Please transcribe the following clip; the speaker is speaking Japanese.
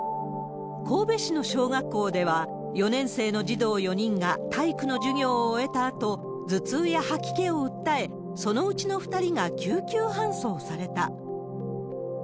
神戸市の小学校では、４年生の児童４人が、体育の授業を終えたあと、頭痛や吐き気を訴え、そのうちの２人が救急搬送された。